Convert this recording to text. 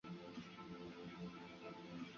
多见于科罗拉多州的圣路易斯山谷。